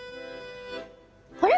あれ？